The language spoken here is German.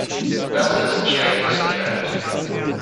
Das ist schlecht fürs Geschäft.